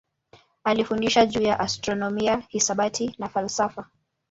Alifundisha juu ya astronomia, hisabati na falsafa.